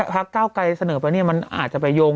พักเก้าไกรเสนอไปเนี่ยมันอาจจะไปโยง